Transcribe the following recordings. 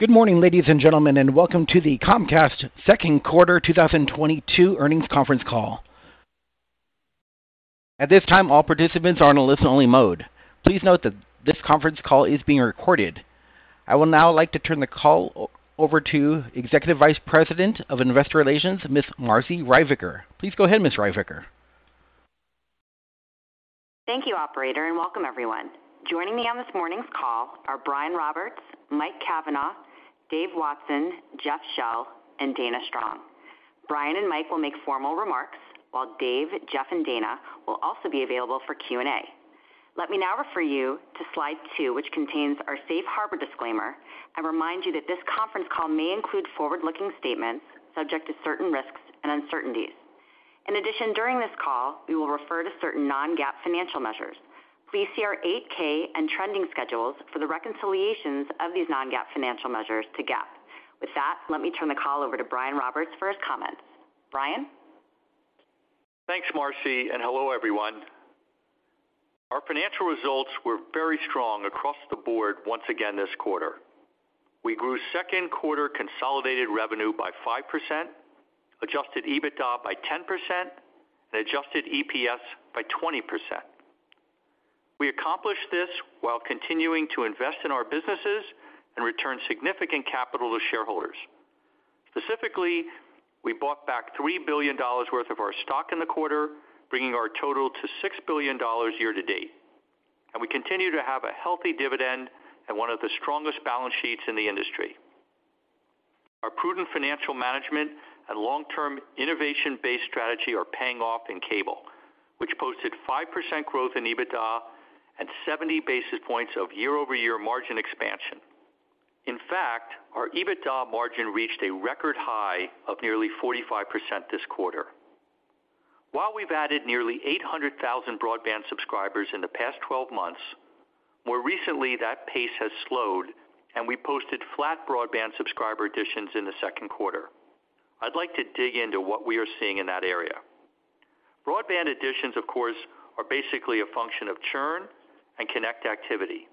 Good morning, ladies and gentlemen, and welcome to the Comcast second quarter 2022 earnings conference call. At this time, all participants are in a listen-only mode. Please note that this conference call is being recorded. I would now like to turn the call over to Executive Vice President of Investor Relations, Ms. Marci Ryvicker. Please go ahead, Ms. Ryvicker. Thank you, operator, and welcome everyone. Joining me on this morning's call are Brian L. Roberts, Michael Cavanagh, David N. Watson, Jeffrey Shell, and Dana Strong. Brian L. Roberts and Michael Cavanagh will make formal remarks while David N. Watson, Jeffrey Shell, and Dana Strong will also be available for Q&A. Let me now refer you to slide two, which contains our safe harbor disclaimer, and remind you that this conference call may include forward-looking statements subject to certain risks and uncertainties. In addition, during this call, we will refer to certain non-GAAP financial measures. Please see our Form 8-K and trending schedules for the reconciliations of these non-GAAP financial measures to GAAP. With that, let me turn the call over to Brian L. Roberts for his comments. Brian L. Roberts. Thanks, Marci, and hello everyone. Our financial results were very strong across the board once again this quarter. We grew second quarter consolidated revenue by 5%, adjusted EBITDA by 10%, and adjusted EPS by 20%. We accomplished this while continuing to invest in our businesses and return significant capital to shareholders. Specifically, we bought back $3 billion worth of our stock in the quarter, bringing our total to $6 billion year-to-date. We continue to have a healthy dividend and one of the strongest balance sheets in the industry. Our prudent financial management and long-term innovation-based strategy are paying off in cable, which posted 5% growth in EBITDA and 70 basis points of year-over-year margin expansion. In fact, our EBITDA margin reached a record high of nearly 45% this quarter. While we've added nearly 800,000 broadband subscribers in the past 12 months, more recently that pace has slowed, and we posted flat broadband subscriber additions in the second quarter. I'd like to dig into what we are seeing in that area. Broadband additions, of course, are basically a function of churn and connect activity.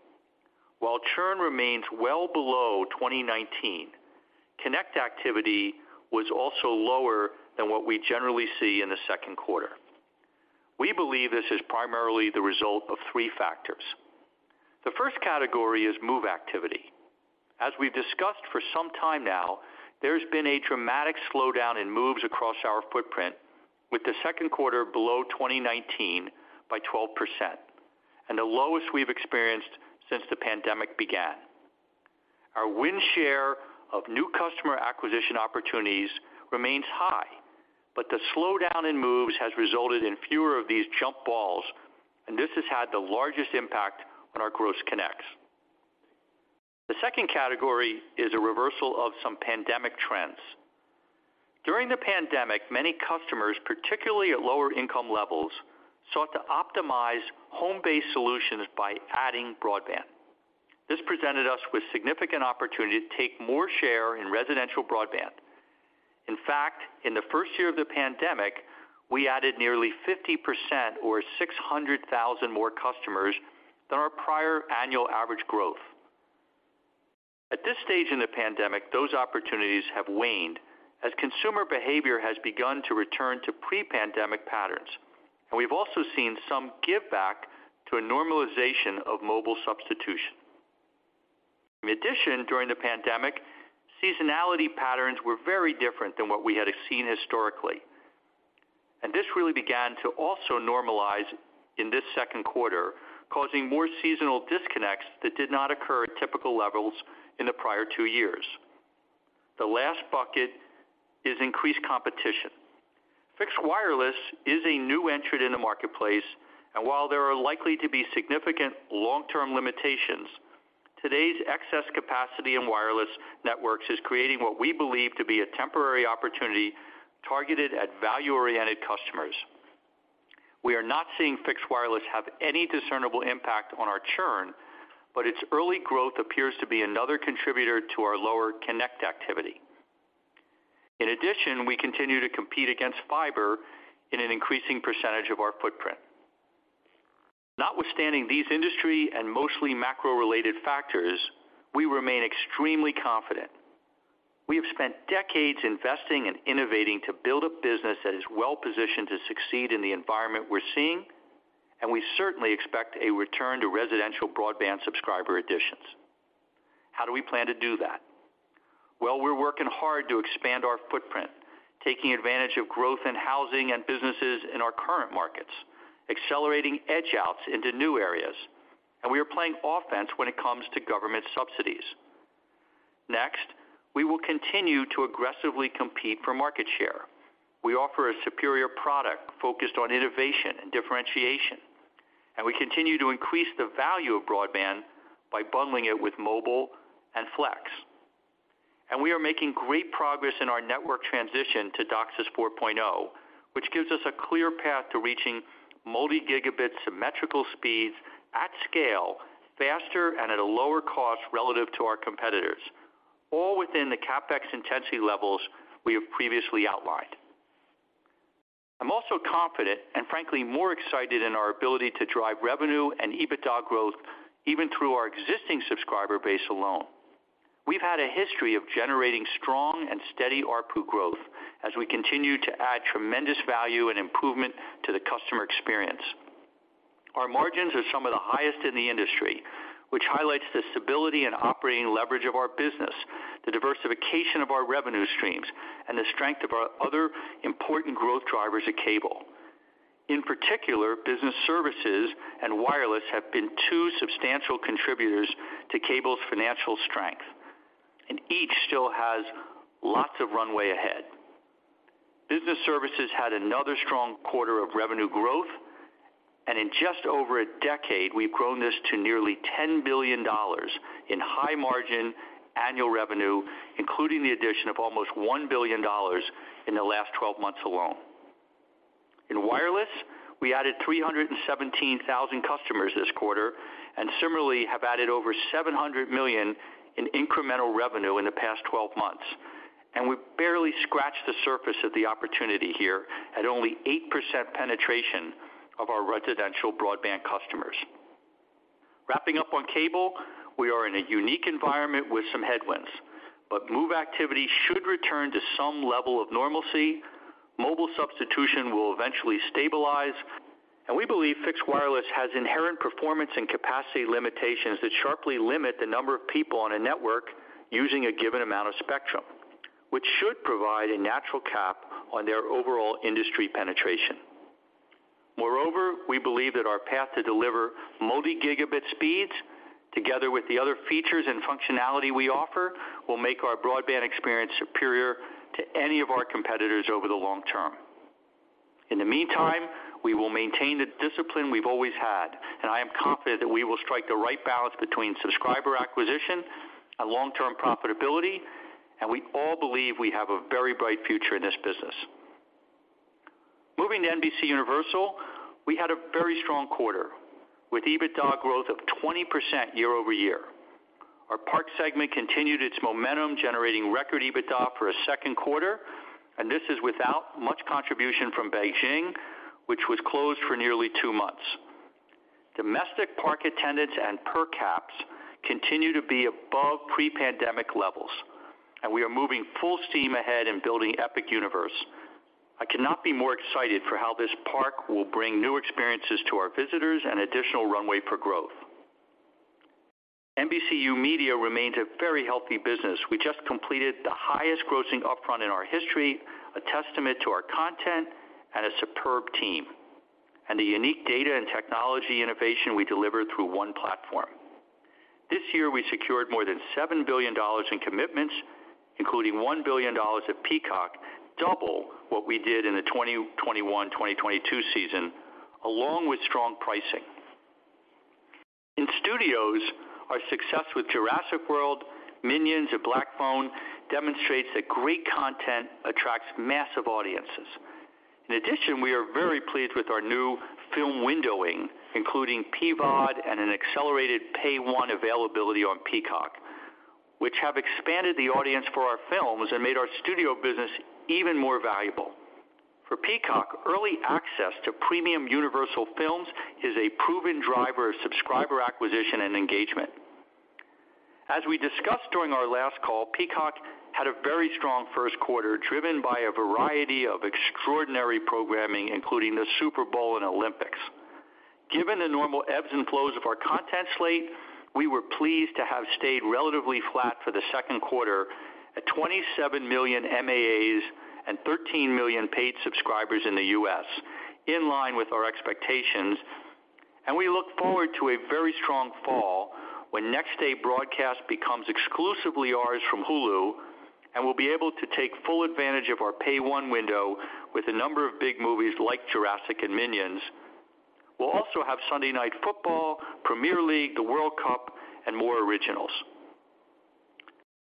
While churn remains well below 2019, connect activity was also lower than what we generally see in the second quarter. We believe this is primarily the result of three factors. The first category is move activity. As we've discussed for some time now, there's been a dramatic slowdown in moves across our footprint with the second quarter below 2019 by 12% and the lowest we've experienced since the pandemic began. Our win share of new customer acquisition opportunities remains high, but the slowdown in moves has resulted in fewer of these jump balls, and this has had the largest impact on our gross connects. The second category is a reversal of some pandemic trends. During the pandemic, many customers, particularly at lower income levels, sought to optimize home-based solutions by adding broadband. This presented us with significant opportunity to take more share in residential broadband. In fact, in the first year of the pandemic, we added nearly 50% or 600,000 more customers than our prior annual average growth. At this stage in the pandemic, those opportunities have waned as consumer behavior has begun to return to pre-pandemic patterns, and we've also seen some give back to a normalization of mobile substitution. In addition, during the pandemic, seasonality patterns were very different than what we had seen historically. This really began to also normalize in this second quarter, causing more seasonal disconnects that did not occur at typical levels in the prior two years. The last bucket is increased competition. Fixed wireless is a new entrant in the marketplace, and while there are likely to be significant long-term limitations, today's excess capacity in wireless networks is creating what we believe to be a temporary opportunity targeted at value-oriented customers. We are not seeing fixed wireless have any discernible impact on our churn, but its early growth appears to be another contributor to our lower connect activity. In addition, we continue to compete against fiber in an increasing percentage of our footprint. Notwithstanding these industry and mostly macro-related factors, we remain extremely confident. We have spent decades investing and innovating to build a business that is well positioned to succeed in the environment we're seeing, and we certainly expect a return to residential broadband subscriber additions. How do we plan to do that? Well, we're working hard to expand our footprint, taking advantage of growth in housing and businesses in our current markets, accelerating edge outs into new areas, and we are playing offense when it comes to government subsidies. Next, we will continue to aggressively compete for market share. We offer a superior product focused on innovation and differentiation, and we continue to increase the value of broadband by bundling it with mobile and Flex. We are making great progress in our network transition to DOCSIS 4.0, which gives us a clear path to reaching multi-gigabit symmetrical speeds at scale faster and at a lower cost relative to our competitors, all within the CapEx intensity levels we have previously outlined. I'm also confident and frankly more excited in our ability to drive revenue and EBITDA growth even through our existing subscriber base alone. We've had a history of generating strong and steady ARPU growth as we continue to add tremendous value and improvement to the customer experience. Our margins are some of the highest in the industry, which highlights the stability and operating leverage of our business, the diversification of our revenue streams, and the strength of our other important growth drivers at Cable. In particular, business services and wireless have been two substantial contributors to Cable's financial strength, and each still has lots of runway ahead. Business services had another strong quarter of revenue growth, and in just over a decade, we've grown this to nearly $10 billion in high-margin annual revenue, including the addition of almost $1 billion in the last 12 months alone. In wireless, we added 317,000 customers this quarter and similarly have added over $700 million in incremental revenue in the past 12 months. We've barely scratched the surface of the opportunity here at only 8% penetration of our residential broadband customers. Wrapping up on Cable, we are in a unique environment with some headwinds, but move activity should return to some level of normalcy. Mobile substitution will eventually stabilize, and we believe fixed wireless has inherent performance and capacity limitations that sharply limit the number of people on a network using a given amount of spectrum, which should provide a natural cap on their overall industry penetration. Moreover, we believe that our path to deliver multi-gigabit speeds, together with the other features and functionality we offer, will make our broadband experience superior to any of our competitors over the long term. In the meantime, we will maintain the discipline we've always had, and I am confident that we will strike the right balance between subscriber acquisition and long-term profitability, and we all believe we have a very bright future in this business. Moving to NBCUniversal, we had a very strong quarter with EBITDA growth of 20% year-over-year. Our parks segment continued its momentum, generating record EBITDA for a second quarter, and this is without much contribution from Beijing, which was closed for nearly two months. Domestic park attendance and per caps continue to be above pre-pandemic levels, and we are moving full steam ahead in building Epic Universe. I cannot be more excited for how this park will bring new experiences to our visitors and additional runway for growth. NBCU Media remains a very healthy business. We just completed the highest grossing upfront in our history, a testament to our content and a superb team, and the unique data and technology innovation we deliver through One Platform. This year, we secured more than $7 billion in commitments, including $1 billion at Peacock, double what we did in the 2021-2022 season, along with strong pricing. In studios, our success with Jurassic World, Minions, and The Black Phone demonstrates that great content attracts massive audiences. In addition, we are very pleased with our new film windowing, including PVOD and an accelerated Pay-One availability on Peacock, which have expanded the audience for our films and made our studio business even more valuable. For Peacock, early access to premium Universal films is a proven driver of subscriber acquisition and engagement. As we discussed during our last call, Peacock had a very strong first quarter, driven by a variety of extraordinary programming, including the Super Bowl and Olympics. Given the normal ebbs and flows of our content slate, we were pleased to have stayed relatively flat for the second quarter at 27 million MAAs and 13 million paid subscribers in the U.S., in line with our expectations. We look forward to a very strong fall when next day broadcast becomes exclusively ours from Hulu, and we'll be able to take full advantage of our Pay-One window with a number of big movies like Jurassic and Minions. We'll also have Sunday Night Football, Premier League, The World Cup, and more originals.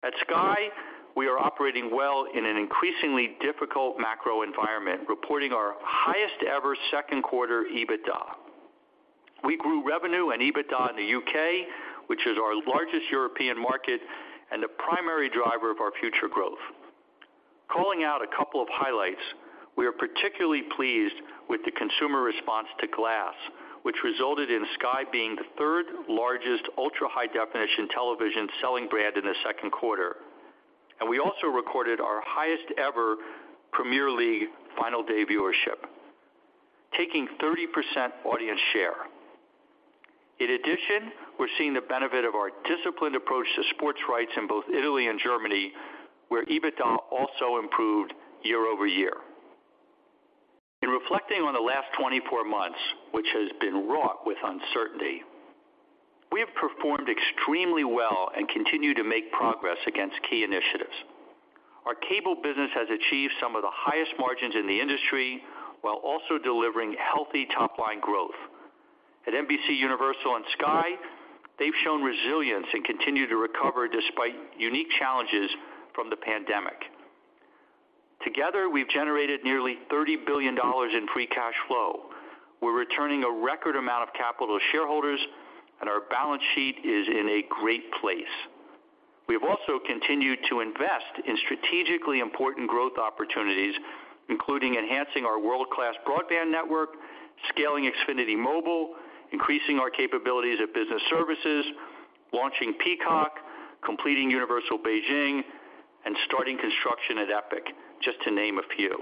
At Sky, we are operating well in an increasingly difficult macro environment, reporting our highest ever second quarter EBITDA. We grew revenue and EBITDA in the U.K., which is our largest European market and the primary driver of our future growth. Calling out a couple of highlights, we are particularly pleased with the consumer response to Glass, which resulted in Sky being the third-largest ultra-high-definition television selling brand in the second quarter. We also recorded our highest ever Premier League final day viewership, taking 30% audience share. In addition, we're seeing the benefit of our disciplined approach to sports rights in both Italy and Germany, where EBITDA also improved year-over-year. In reflecting on the last 24 months, which has been wrought with uncertainty, we have performed extremely well and continue to make progress against key initiatives. Our Cable business has achieved some of the highest margins in the industry while also delivering healthy top-line growth. At NBCUniversal and Sky, they've shown resilience and continue to recover despite unique challenges from the pandemic. Together, we've generated nearly $30 billion in free cash flow. We're returning a record amount of capital to shareholders, and our balance sheet is in a great place. We have also continued to invest in strategically important growth opportunities, including enhancing our world-class broadband network, scaling Xfinity Mobile, increasing our capabilities of business services, launching Peacock, completing Universal Beijing, and starting construction at Epic Universe, just to name a few.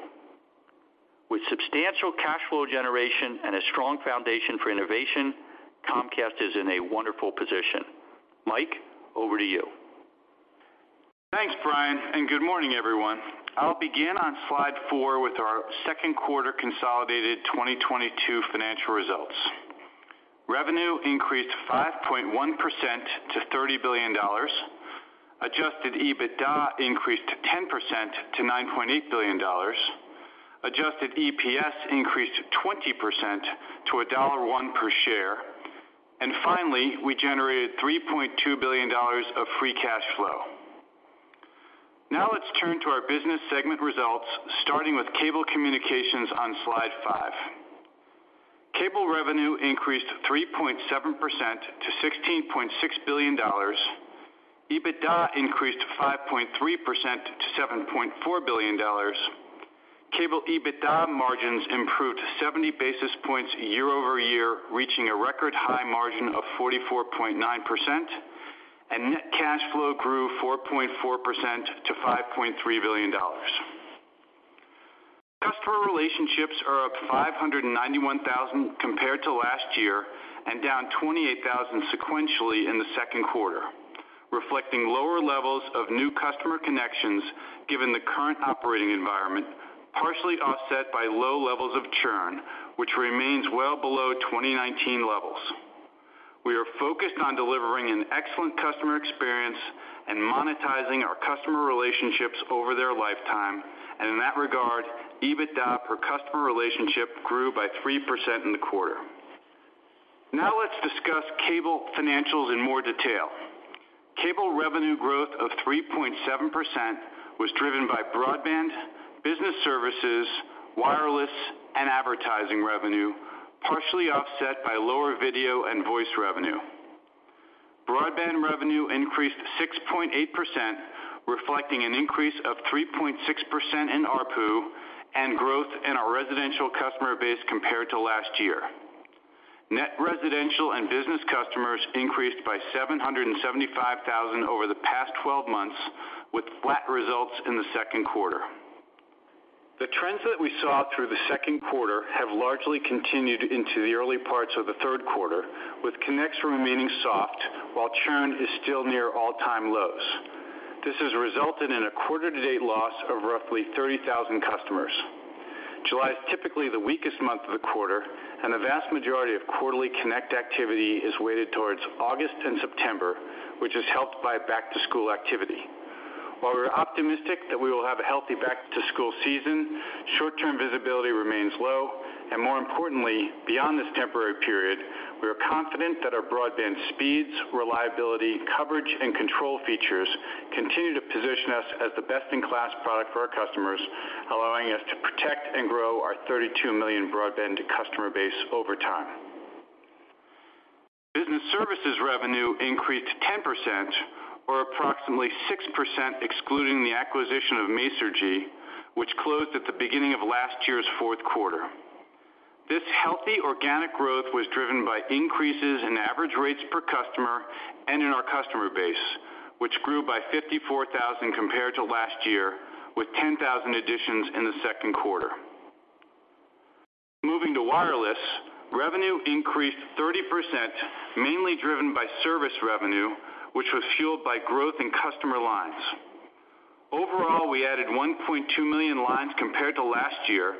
With substantial cash flow generation and a strong foundation for innovation, Comcast is in a wonderful position. Mike, over to you. Thanks, Brian, and good morning, everyone. I'll begin on slide four with our second quarter consolidated 2022 financial results. Revenue increased 5.1% to $30 billion. Adjusted EBITDA increased 10% to $9.8 billion. Adjusted EPS increased 20% to $1.01 per share. Finally, we generated $3.2 billion of free cash flow. Now let's turn to our business segment results, starting with cable communications on slide five. Cable revenue increased 3.7% to $16.6 billion. EBITDA increased 5.3% to $7.4 billion. Cable EBITDA margins improved 70 basis points year-over-year, reaching a record high margin of 44.9%, and net cash flow grew 4.4% to $5.3 billion. Customer relationships are up 591,000 compared to last year and down 28,000 sequentially in the second quarter, reflecting lower levels of new customer connections given the current operating environment, partially offset by low levels of churn, which remains well below 2019 levels. We are focused on delivering an excellent customer experience and monetizing our customer relationships over their lifetime. In that regard, EBITDA per customer relationship grew by 3% in the quarter. Now let's discuss cable financials in more detail. Cable revenue growth of 3.7% was driven by broadband, business services, wireless, and advertising revenue, partially offset by lower video and voice revenue. Broadband revenue increased 6.8%, reflecting an increase of 3.6% in ARPU and growth in our residential customer base compared to last year. Net residential and business customers increased by 775,000 over the past 12 months, with flat results in the second quarter. The trends that we saw through the second quarter have largely continued into the early parts of the third quarter, with connects remaining soft while churn is still near all-time lows. This has resulted in a quarter-to-date loss of roughly 30,000 customers. July is typically the weakest month of the quarter, and the vast majority of quarterly connect activity is weighted towards August and September, which is helped by back-to-school activity. While we're optimistic that we will have a healthy back-to-school season, short-term visibility remains low, and more importantly, beyond this temporary period, we are confident that our broadband speeds, reliability, coverage, and control features continue to position us as the best-in-class product for our customers, allowing us to protect and grow our 32 million broadband customer base over time. Business services revenue increased 10% or approximately 6% excluding the acquisition of Masergy, which closed at the beginning of last year's fourth quarter. This healthy organic growth was driven by increases in average rates per customer and in our customer base, which grew by 54,000 compared to last year, with 10,000 additions in the second quarter. Moving to wireless, revenue increased 30%, mainly driven by service revenue, which was fueled by growth in customer lines. Overall, we added 1.2 million lines compared to last year,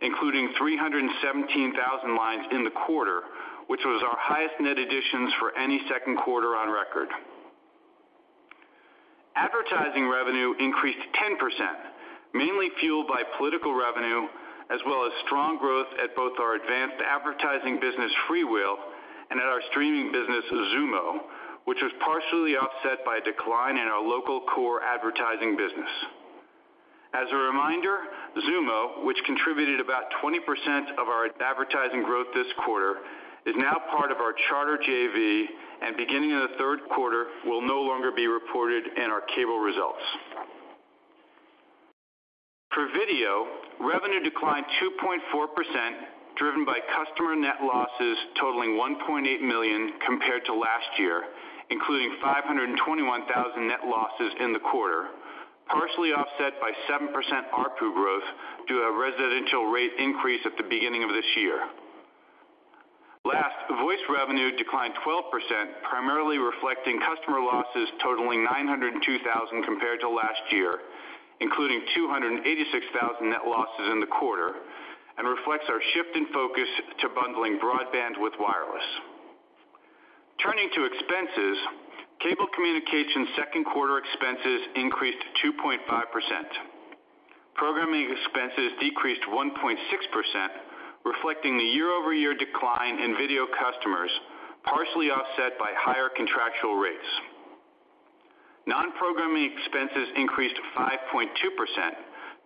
including 317,000 lines in the quarter, which was our highest net additions for any second quarter on record. Advertising revenue increased 10%, mainly fueled by political revenue as well as strong growth at both our advanced advertising business, FreeWheel, and at our streaming business, Xumo, which was partially offset by a decline in our local core advertising business. As a reminder, Xumo, which contributed about 20% of our advertising growth this quarter, is now part of our Charter JV and beginning in the third quarter will no longer be reported in our cable results. For video, revenue declined 2.4%, driven by customer net losses totaling 1.8 million compared to last year, including 521,000 net losses in the quarter, partially offset by 7% ARPU growth due to a residential rate increase at the beginning of this year. Last, voice revenue declined 12%, primarily reflecting customer losses totaling 902,000 compared to last year, including 286,000 net losses in the quarter, and reflects our shift in focus to bundling broadband with wireless. Turning to expenses, Cable Communications second quarter expenses increased 2.5%. Programming expenses decreased 1.6%, reflecting the year-over-year decline in video customers, partially offset by higher contractual rates. Non-programming expenses increased 5.2%,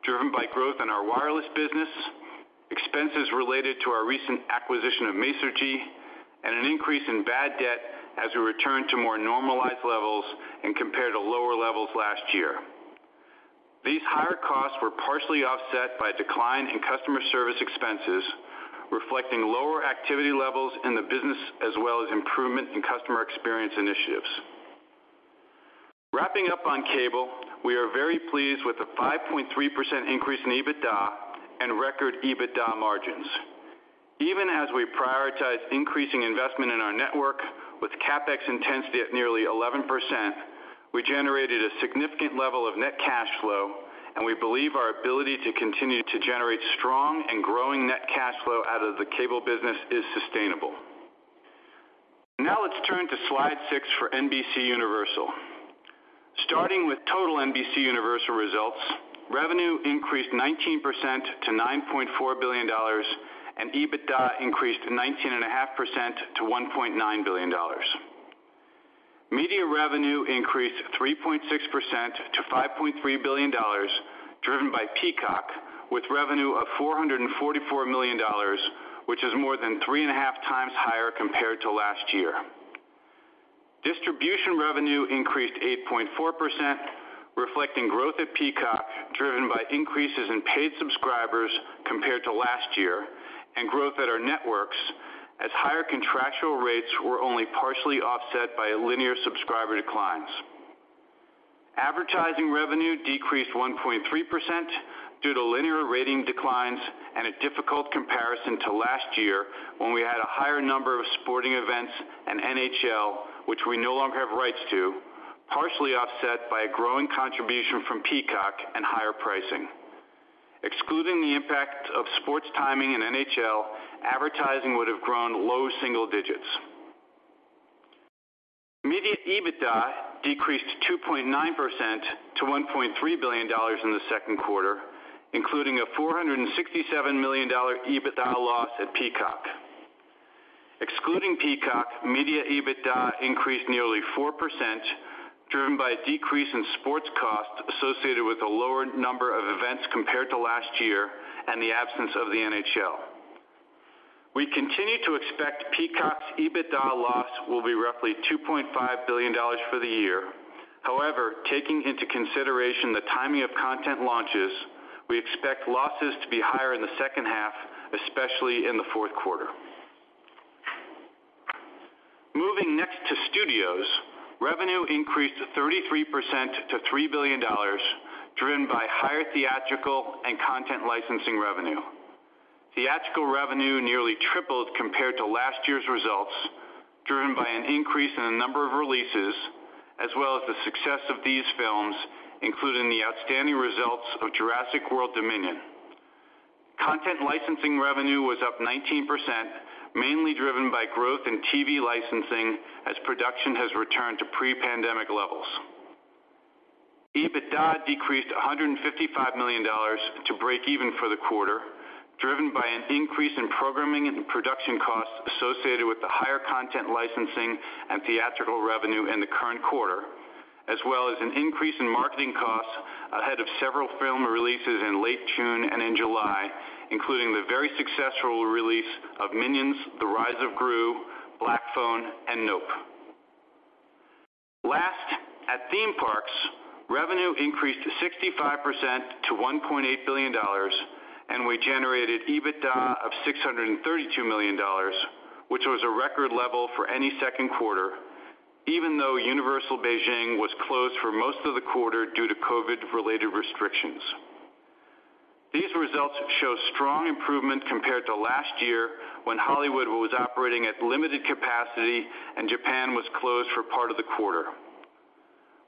driven by growth in our wireless business. Expenses related to our recent acquisition of Masergy and an increase in bad debt as we return to more normalized levels and compare to lower levels last year. These higher costs were partially offset by a decline in customer service expenses, reflecting lower activity levels in the business as well as improvement in customer experience initiatives. Wrapping up on cable, we are very pleased with the 5.3% increase in EBITDA and record EBITDA margins. Even as we prioritize increasing investment in our network with CapEx intensity at nearly 11%, we generated a significant level of net cash flow, and we believe our ability to continue to generate strong and growing net cash flow out of the cable business is sustainable. Now let's turn to slide six for NBCUniversal. Starting with total NBCUniversal results, revenue increased 19% to $9.4 billion and EBITDA increased 19.5% to $1.9 billion. Media revenue increased 3.6% to $5.3 billion, driven by Peacock, with revenue of $444 million, which is more than 3.5 times higher compared to last year. Distribution revenue increased 8.4%, reflecting growth at Peacock, driven by increases in paid subscribers compared to last year and growth at our networks as higher contractual rates were only partially offset by linear subscriber declines. Advertising revenue decreased 1.3% due to linear rating declines and a difficult comparison to last year when we had a higher number of sporting events and NHL, which we no longer have rights to, partially offset by a growing contribution from Peacock and higher pricing. Excluding the impact of sports timing and NHL, advertising would have grown low single digits. Media EBITDA decreased 2.9% to $1.3 billion in the second quarter, including a $467 million EBITDA loss at Peacock. Excluding Peacock, media EBITDA increased nearly 4%, driven by a decrease in sports costs associated with a lower number of events compared to last year and the absence of the NHL. We continue to expect Peacock's EBITDA loss will be roughly $2.5 billion for the year. However, taking into consideration the timing of content launches, we expect losses to be higher in the second half, especially in the fourth quarter. Moving next to studios, revenue increased 33% to $3 billion, driven by higher theatrical and content licensing revenue. Theatrical revenue nearly tripled compared to last year's results, driven by an increase in the number of releases as well as the success of these films, including the outstanding results of Jurassic World Dominion. Content licensing revenue was up 19%, mainly driven by growth in TV licensing as production has returned to pre-pandemic levels. EBITDA decreased $155 million to break-even for the quarter, driven by an increase in programming and production costs associated with the higher content licensing and theatrical revenue in the current quarter, as well as an increase in marketing costs ahead of several film releases in late June and in July, including the very successful release of Minions: The Rise of Gru, The Black Phone, and Nope. Last, at theme parks, revenue increased 65% to $1.8 billion, and we generated EBITDA of $632 million, which was a record level for any second quarter, even though Universal Beijing Resort was closed for most of the quarter due to COVID-related restrictions. These results show strong improvement compared to last year when Hollywood was operating at limited capacity and Universal Studios Japan was closed for part of the quarter.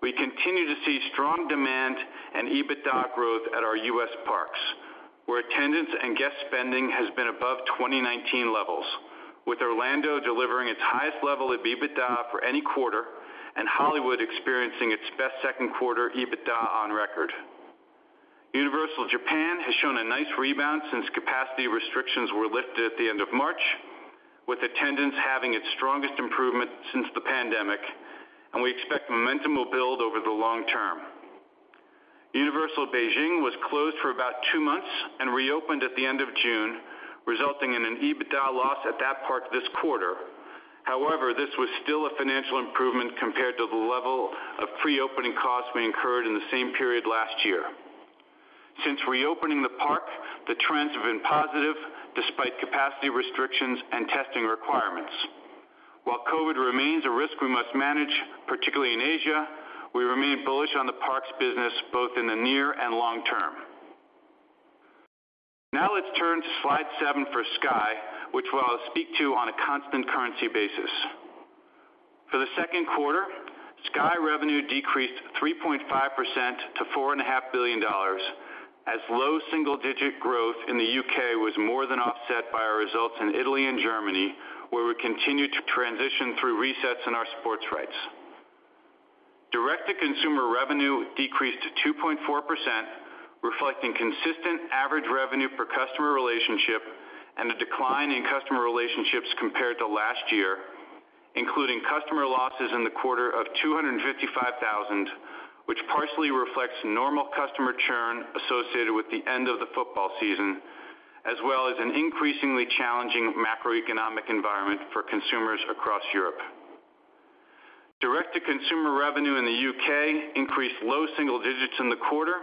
We continue to see strong demand and EBITDA growth at our U.S. parks, where attendance and guest spending has been above 2019 levels, with Orlando delivering its highest level of EBITDA for any quarter and Hollywood experiencing its best second quarter EBITDA on record. Universal Japan has shown a nice rebound since capacity restrictions were lifted at the end of March, with attendance having its strongest improvement since the pandemic, and we expect momentum will build over the long term. Universal Beijing was closed for about two months and reopened at the end of June, resulting in an EBITDA loss at that park this quarter. However, this was still a financial improvement compared to the level of pre-opening costs we incurred in the same period last year. Since reopening the park, the trends have been positive despite capacity restrictions and testing requirements. While COVID remains a risk we must manage, particularly in Asia, we remain bullish on the parks business both in the near and long term. Now let's turn to slide seven for Sky, which I'll speak to on a constant currency basis. For the second quarter, Sky revenue decreased 3.5% to $4.5 billion, as low single-digit growth in the U.K. was more than offset by our results in Italy and Germany, where we continue to transition through resets in our sports rights. Direct-to-consumer revenue decreased 2.4%, reflecting consistent average revenue per customer relationship and a decline in customer relationships compared to last year. Including customer losses in the quarter of 255,000, which partially reflects normal customer churn associated with the end of the football season, as well as an increasingly challenging macroeconomic environment for consumers across Europe. Direct-to-consumer revenue in the U.K. increased low single digits% in the quarter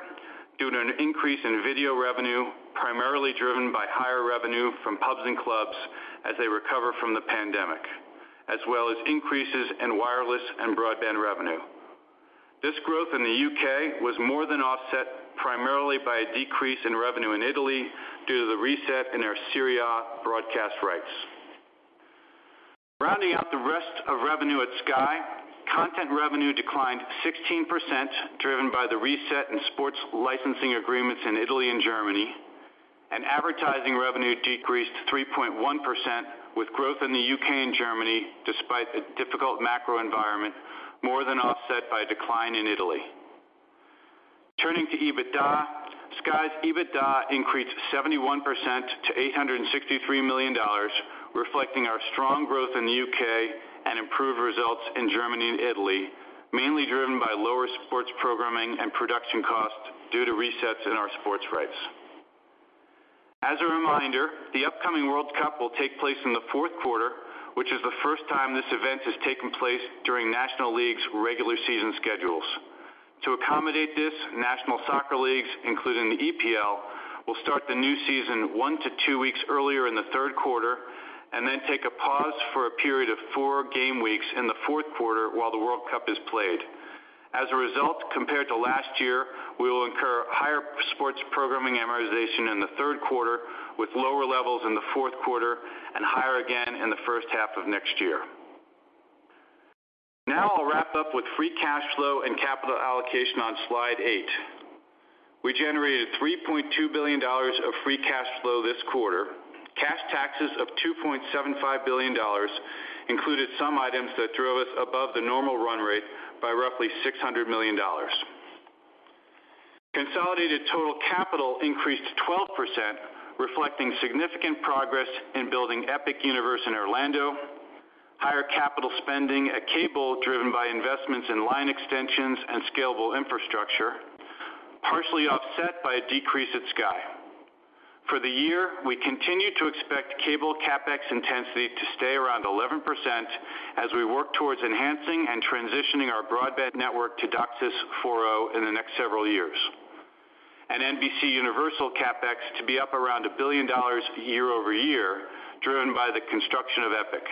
due to an increase in video revenue, primarily driven by higher revenue from pubs and clubs as they recover from the pandemic, as well as increases in wireless and broadband revenue. This growth in the U.K. was more than offset primarily by a decrease in revenue in Italy due to the reset in our Serie A broadcast rights. Rounding out the rest of revenue at Sky, content revenue declined 16%, driven by the reset in sports licensing agreements in Italy and Germany, and advertising revenue decreased 3.1% with growth in the U.K. and Germany, despite a difficult macro environment, more than offset by a decline in Italy. Turning to EBITDA, Sky's EBITDA increased 71% to $863 million, reflecting our strong growth in the U.K. and improved results in Germany and Italy, mainly driven by lower sports programming and production costs due to resets in our sports rights. As a reminder, the upcoming World Cup will take place in the fourth quarter, which is the first time this event has taken place during NHL's regular season schedules. To accommodate this, national soccer leagues, including the EPL, will start the new season one to two weeks earlier in the third quarter and then take a pause for a period of four game weeks in the fourth quarter while the World Cup is played. As a result, compared to last year, we will incur higher sports programming amortization in the third quarter with lower levels in the fourth quarter and higher again in the first half of next year. Now I'll wrap up with free cash flow and capital allocation on slide eight. We generated $3.2 billion of free cash flow this quarter. Cash taxes of $2.75 billion included some items that drove us above the normal run rate by roughly $600 million. Consolidated total capital increased 12%, reflecting significant progress in building Epic Universe in Orlando, higher capital spending at Cable, driven by investments in line extensions and scalable infrastructure, partially offset by a decrease at Sky. For the year, we continue to expect Cable CapEx intensity to stay around 11% as we work towards enhancing and transitioning our broadband network to DOCSIS 4.0 in the next several years, and NBCUniversal CapEx to be up around $1 billion year-over-year, driven by the construction of Epic.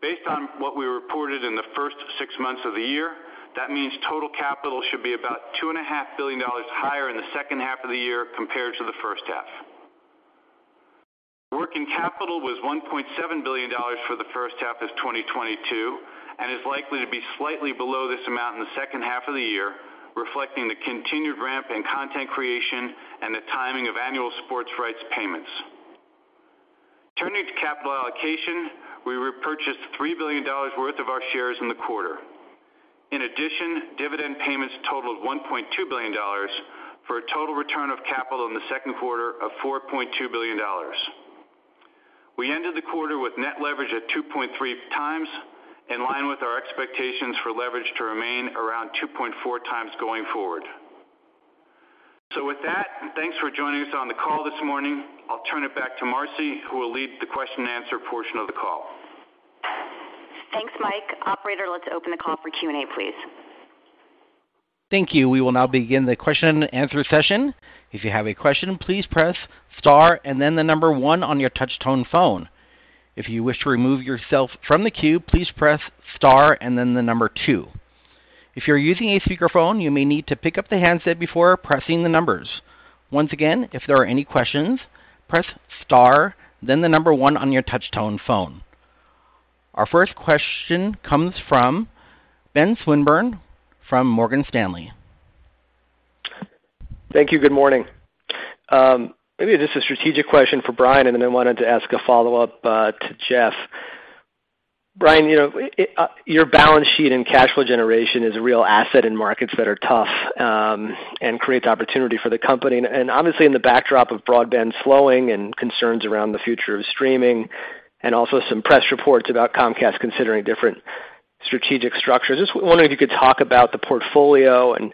Based on what we reported in the first six months of the year, that means total capital should be about $2.5 billion higher in the second half of the year compared to the first half. Working capital was $1.7 billion for the first half of 2022 and is likely to be slightly below this amount in the second half of the year, reflecting the continued ramp in content creation and the timing of annual sports rights payments. Turning to capital allocation, we repurchased $3 billion worth of our shares in the quarter. In addition, dividend payments totaled $1.2 billion for a total return of capital in the second quarter of $4.2 billion. We ended the quarter with net leverage at 2.3 times, in line with our expectations for leverage to remain around 2.4 times going forward. With that, thanks for joining us on the call this morning. I'll turn it back to Marci, who will lead the question and answer portion of the call. Thanks, Mike. Operator, let's open the call for Q&A, please. Thank you. We will now begin the question and answer session. If you have a question, please press star and then the number one on your touch-tone phone. If you wish to remove yourself from the queue, please press star and then the number two. If you're using a speakerphone, you may need to pick up the handset before pressing the numbers. Once again, if there are any questions, press star, then the number one on your touch-tone phone. Our first question comes from Ben Swinburne from Morgan Stanley. Thank you. Good morning. Maybe just a strategic question for Brian, and then I wanted to ask a follow-up to Jeff. Brian, you know, your balance sheet and cash flow generation is a real asset in markets that are tough, and creates opportunity for the company. Obviously in the backdrop of broadband slowing and concerns around the future of streaming and also some press reports about Comcast considering different strategic structures. Just wondering if you could talk about the portfolio and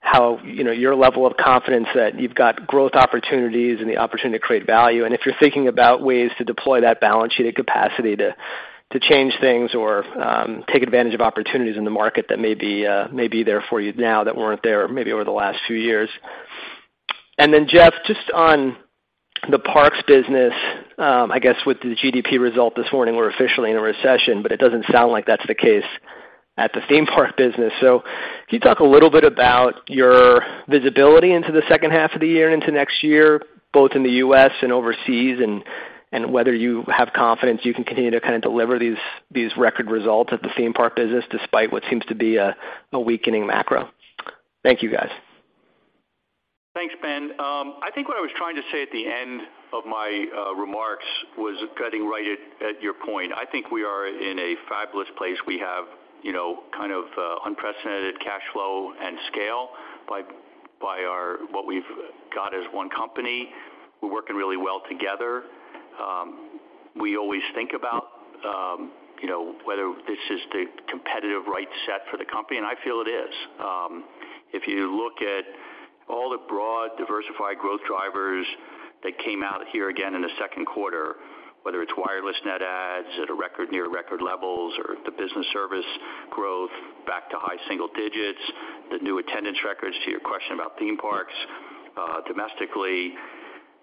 how, you know, your level of confidence that you've got growth opportunities and the opportunity to create value, and if you're thinking about ways to deploy that balance sheet capacity to change things or take advantage of opportunities in the market that may be there for you now that weren't there maybe over the last few years. Jeff, just on the parks business, I guess with the GDP result this morning, we're officially in a recession, but it doesn't sound like that's the case at the theme park business. Can you talk a little bit about your visibility into the second half of the year and into next year, both in the U.S. and overseas, and whether you have confidence you can continue to kinda deliver these record results at the theme park business despite what seems to be a weakening macro? Thank you, guys. Thanks, Ben. I think what I was trying to say at the end of my remarks was getting right at your point. I think we are in a fabulous place. We have, you know, kind of, unprecedented cash flow and scale by our what we've got as one company. We're working really well together. We always think about, you know, whether this is the competitive right set for the company, and I feel it is. If you look at all the broad diversified growth drivers that came out here again in the second quarter, whether it's wireless net adds at near record levels or the business service growth back to high single digits, the new attendance records to your question about theme parks, domestically.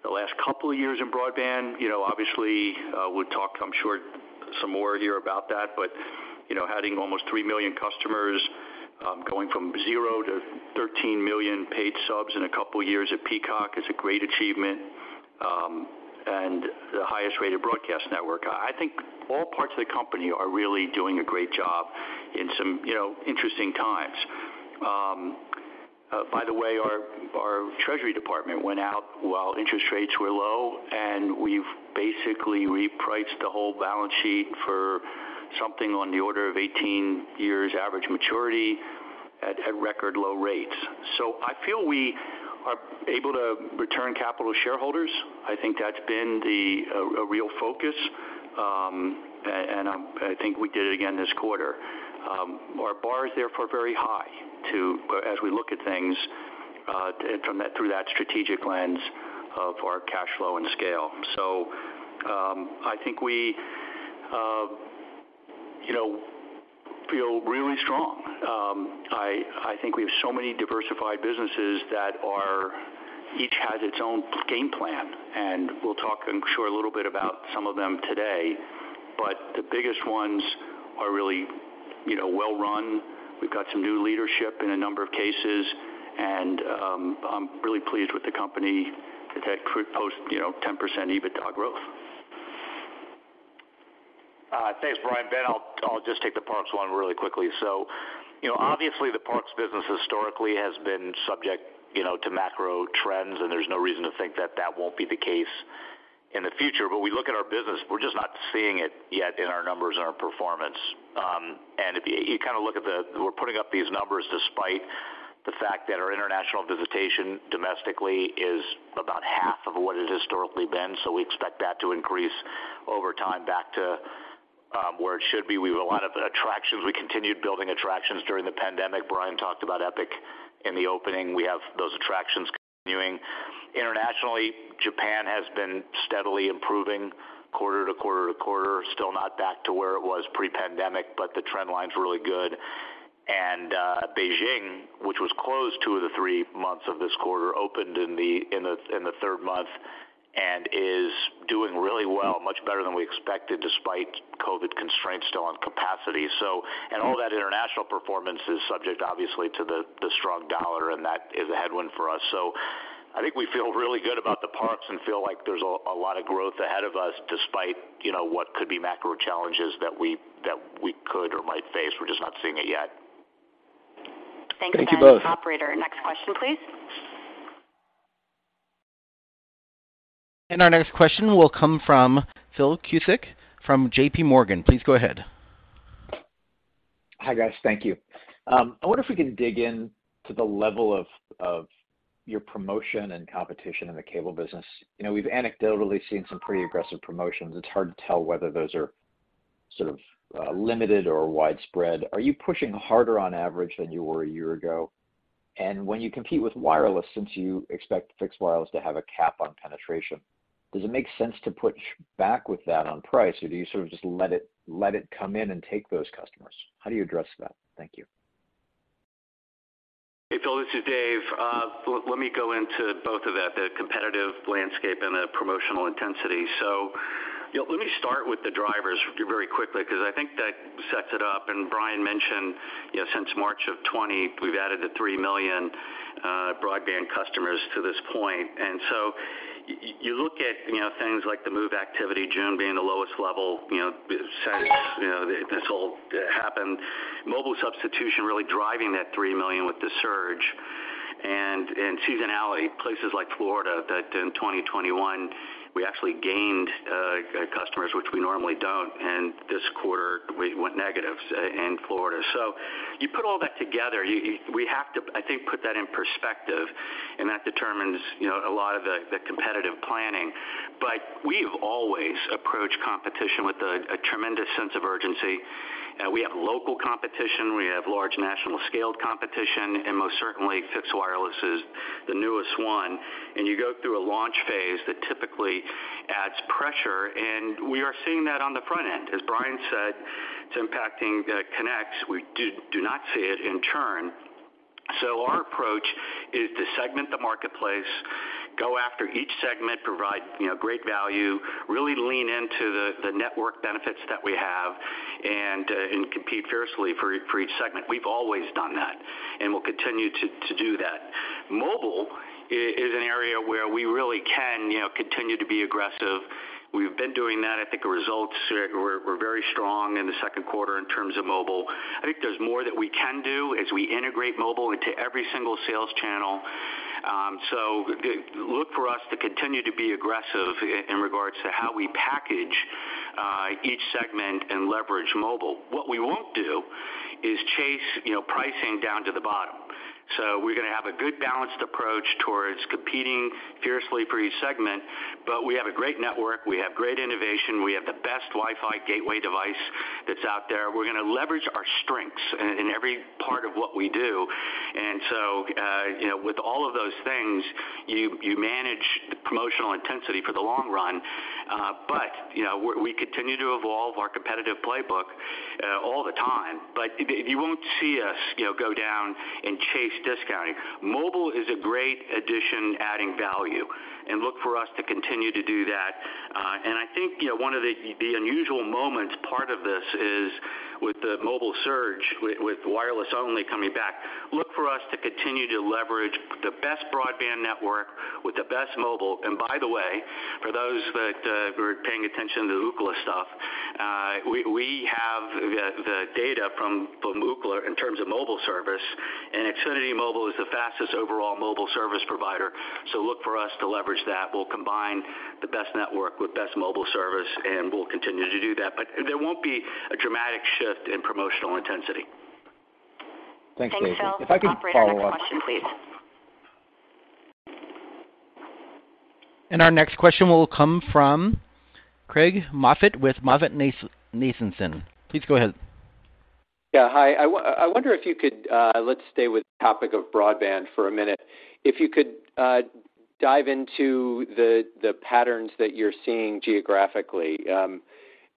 The last couple of years in broadband, you know, obviously, we'll talk, I'm sure some more here about that, but you know, adding almost three million customers, going from zero to 13 million paid subs in a couple of years at Peacock is a great achievement, and the highest-rated broadcast network. I think all parts of the company are really doing a great job in some, you know, interesting times. By the way, our treasury department went out while interest rates were low, and we've basically repriced the whole balance sheet for something on the order of 18 years average maturity at record low rates. I feel we are able to return capital to shareholders. I think that's been a real focus, and I think we did it again this quarter. Our bars, therefore, are very high as we look at things from that through that strategic lens of our cash flow and scale. I think we, you know, feel really strong. I think we have so many diversified businesses that each has its own game plan, and we'll talk, I'm sure a little bit about some of them today. The biggest ones are really, you know, well run. We've got some new leadership in a number of cases, and I'm really pleased with the company that could post, you know, 10% EBITDA growth. Thanks, Brian. Ben, I'll just take the parks one really quickly. You know, obviously, the parks business historically has been subject, you know, to macro trends, and there's no reason to think that won't be the case in the future. We look at our business, we're just not seeing it yet in our numbers and our performance. And if you kind of look at the, we're putting up these numbers despite the fact that our international visitation domestically is about half of what it has historically been. We expect that to increase over time back to where it should be. We have a lot of attractions. We continued building attractions during the pandemic. Brian talked about Epic in the opening. We have those attractions continuing. Internationally, Japan has been steadily improving quarter to quarter to quarter. Still not back to where it was pre-pandemic, but the trend line is really good. Beijing, which was closed two of the three months of this quarter, opened in the third month and is doing really well, much better than we expected despite COVID constraints still on capacity. All that international performance is subject, obviously, to the strong dollar, and that is a headwind for us. I think we feel really good about the parks and feel like there's a lot of growth ahead of us despite, you know, what could be macro challenges that we could or might face. We're just not seeing it yet. Thank you both. Thanks, Ben. Operator, next question, please. Our next question will come from Philip Cusick from J.P. Morgan. Please go ahead. Hi, guys. Thank you. I wonder if we can dig in to the level of your promotion and competition in the cable business. You know, we've anecdotally seen some pretty aggressive promotions. It's hard to tell whether those are sort of limited or widespread. Are you pushing harder on average than you were a year ago? When you compete with wireless, since you expect fixed wireless to have a cap on penetration, does it make sense to push back with that on price, or do you sort of just let it come in and take those customers? How do you address that? Thank you. Hey, Phil, this is Dave. Let me go into both of those, the competitive landscape and the promotional intensity. Let me start with the drivers very quickly because I think that sets it up. Brian mentioned, you know, since March of 2020, we've added three million broadband customers to this point. You look at, you know, things like the move activity, June being the lowest level, you know, since, you know, this all happened. Mobile substitution really driving that three million with the surge. Seasonality, places like Florida that in 2021 we actually gained customers, which we normally don't, and this quarter we went negative, say, in Florida. You put all that together. We have to, I think, put that in perspective, and that determines, you know, a lot of the competitive planning. We've always approached competition with a tremendous sense of urgency. We have local competition, we have large national scale competition, and most certainly fixed wireless is the newest one. You go through a launch phase that typically adds pressure, and we are seeing that on the front end. As Brian said, it's impacting connects. We do not see it in churn. Our approach is to segment the marketplace, go after each segment, provide, you know, great value, really lean into the network benefits that we have and compete fiercely for each segment. We've always done that, and we'll continue to do that. Mobile is an area where we really can, you know, continue to be aggressive. We've been doing that. I think the results were very strong in the second quarter in terms of mobile. I think there's more that we can do as we integrate mobile into every single sales channel. Look for us to continue to be aggressive in regards to how we package each segment and leverage mobile. What we won't do is chase, you know, pricing down to the bottom. We're gonna have a good balanced approach towards competing fiercely for each segment. We have a great network, we have great innovation, we have the best Wi-Fi gateway device that's out there. We're gonna leverage our strengths in every part of what we do. You know, with all of those things, you manage the promotional intensity for the long run. We continue to evolve our competitive playbook all the time. You won't see us, you know, go down and chase discounting. Mobile is a great addition adding value, and look for us to continue to do that. I think, you know, one of the unusual moments part of this is with the mobile surge, with wireless only coming back, look for us to continue to leverage the best broadband network with the best mobile. By the way, for those that were paying attention to the Ookla stuff, we have the data from Ookla in terms of mobile service, and Xfinity Mobile is the fastest overall mobile service provider. Look for us to leverage that. We'll combine the best network with best mobile service, and we'll continue to do that. There won't be a dramatic shift in promotional intensity. Thanks, Dave. Thanks, Phil. If I could follow up. Operator, next question, please. Our next question will come from Craig Moffett with MoffettNathanson. Please go ahead. Yeah, hi. I wonder if you could, let's stay with the topic of broadband for a minute. If you could, dive into the patterns that you're seeing geographically.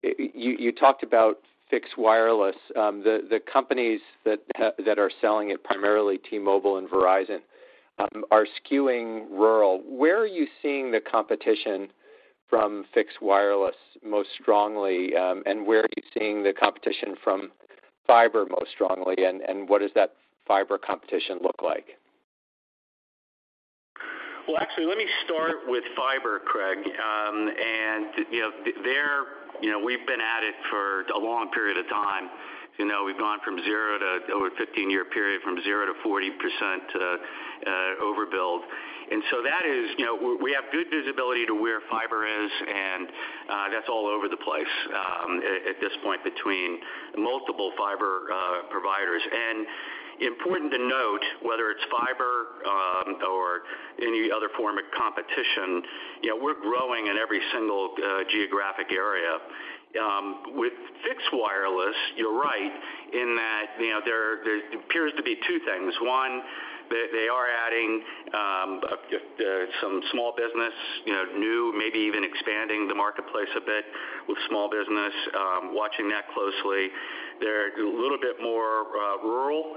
You talked about fixed wireless. The companies that are selling it, primarily T-Mobile and Verizon, are skewing rural. Where are you seeing the competition from fixed wireless most strongly, and where are you seeing the competition from fiber most strongly, and what does that fiber competition look like? Well, actually, let me start with fiber, Craig. You know, we've been at it for a long period of time. You know, we've gone from zero to over a 15-year period, from zero to 40%, overbuild. That is, you know, we have good visibility to where fiber is, and that's all over the place at this point between multiple fiber providers. Important to note, whether it's fiber or any other form of competition, you know, we're growing in every single geographic area. With fixed wireless, you're right in that, you know, there appears to be two things. One, they are adding some small business, you know, new, maybe even expanding the marketplace a bit with small business, watching that closely. They're a little bit more rural,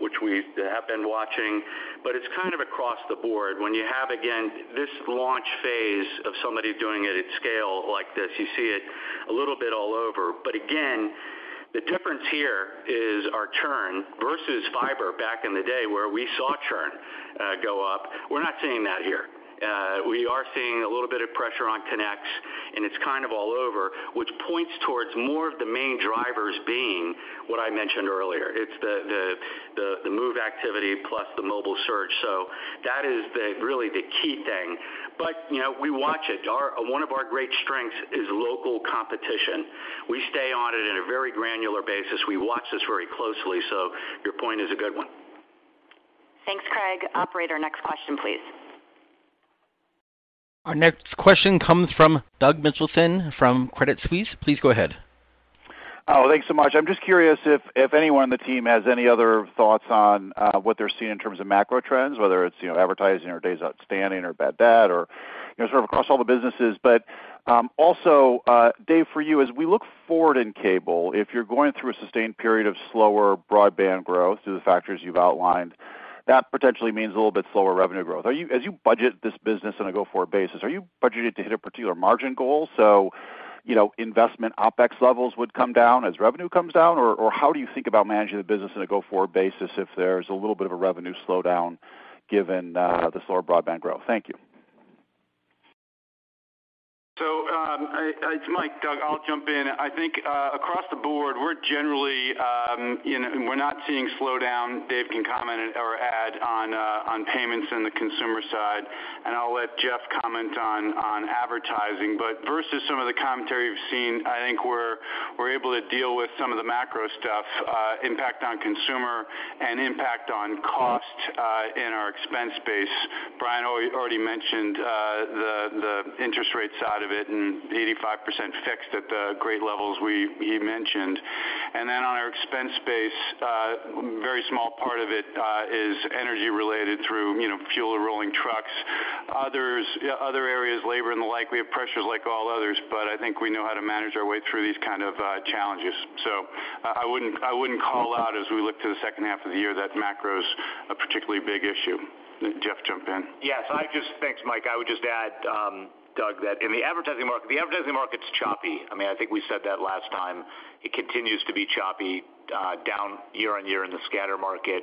which we have been watching, but it's kind of across the board. When you have, again, this launch phase of somebody doing it at scale like this, you see it a little bit all over. Again, the difference here is our churn versus fiber back in the day where we saw churn go up. We're not seeing that here. We are seeing a little bit of pressure on connects, and it's kind of all over, which points towards more of the main drivers being what I mentioned earlier. It's the move activity plus the mobile search. That is really the key thing. You know, we watch it. One of our great strengths is local competition. We stay on it in a very granular basis. We watch this very closely. Your point is a good one. Thanks, Craig. Operator, next question, please. Our next question comes from Douglas Mitchelson from Credit Suisse. Please go ahead. Oh, thanks so much. I'm just curious if anyone on the team has any other thoughts on what they're seeing in terms of macro trends, whether it's, you know, advertising or days outstanding or bad debt or, you know, sort of across all the businesses. Also, Dave, for you, as we look forward in cable, if you're going through a sustained period of slower broadband growth through the factors you've outlined, that potentially means a little bit slower revenue growth. Are you, as you budget this business on a go-forward basis, are you budgeting to hit a particular margin goal? You know, investment OpEx levels would come down as revenue comes down? Or how do you think about managing the business on a go-forward basis if there's a little bit of a revenue slowdown given the slower broadband growth? Thank you. It's Mike, Doug. I'll jump in. I think across the board, we're generally, you know, we're not seeing slowdown. Dave can comment or add on payments in the consumer side, and I'll let Jeff comment on advertising. Versus some of the commentary you've seen, I think we're able to deal with some of the macro stuff, impact on consumer and impact on cost in our expense base. Brian already mentioned the interest rate side of it and 85% fixed at the great levels we he mentioned. Then on our expense base, very small part of it is energy related through, you know, fuel and rolling trucks. Others, other areas, labor and the like, we have pressures like all others, but I think we know how to manage our way through these kind of challenges. I wouldn't call out as we look to the second half of the year that macro's a particularly big issue. Jeff, jump in. Yes. Thanks, Mike. I would just add, Doug, that in the advertising market's choppy. I mean, I think we said that last time. It continues to be choppy, down year on year in the scatter market.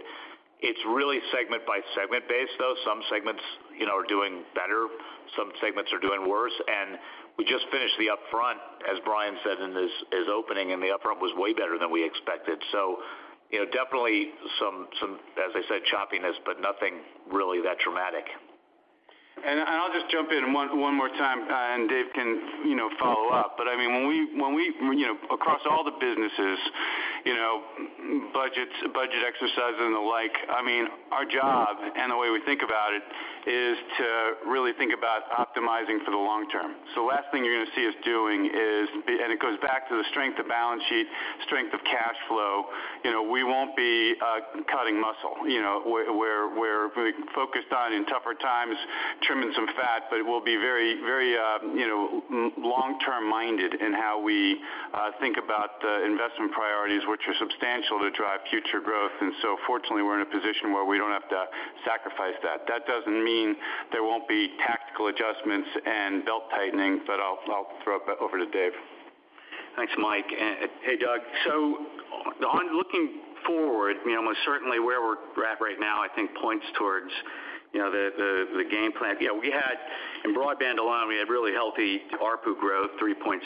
It's really segment by segment based, though. Some segments, you know, are doing better, some segments are doing worse. We just finished the upfront, as Brian said in his opening, and the upfront was way better than we expected. You know, definitely some, as I said, choppiness, but nothing really that dramatic. I'll just jump in one more time, and Dave can, you know, follow up. I mean, when we you know, across all the businesses, you know, budgets, budget exercise and the like, I mean, our job and the way we think about it is to really think about optimizing for the long term. Last thing you're gonna see us doing is, and it goes back to the strength of balance sheet, strength of cash flow. You know, we won't be cutting muscle. You know, we're focused on in tougher times trimming some fat, but we'll be very, very, you know, long-term minded in how we think about the investment priorities, which are substantial to drive future growth. Fortunately, we're in a position where we don't have to sacrifice that. That doesn't mean there won't be tactical adjustments and belt-tightening, but I'll throw it over to Dave. Thanks, Mike. Hey, Doug. On looking forward, you know, most certainly where we're at right now, I think points towards, you know, the game plan. You know, we had in broadband alone really healthy ARPU growth, 3.6%,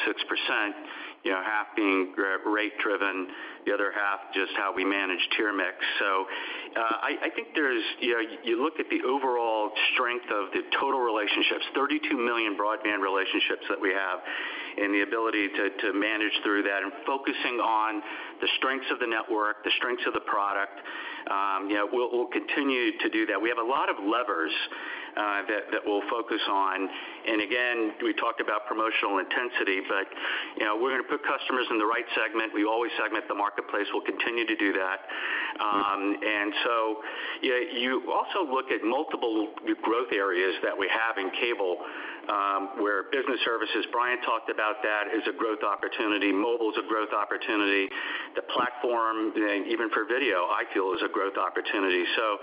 you know, half being rate driven, the other half just how we manage tier mix. I think there's, you know, you look at the overall strength of the total relationships, 32 million broadband relationships that we have and the ability to manage through that and focusing on the strengths of the network, the strengths of the product, you know, we'll continue to do that. We have a lot of levers that we'll focus on. Again, we talked about promotional intensity, but, you know, we're going to put customers in the right segment. We always segment the marketplace. We'll continue to do that. You also look at multiple growth areas that we have in cable, where business services, Brian talked about that, is a growth opportunity. Mobile is a growth opportunity. The platform, even for video, I feel is a growth opportunity. You know,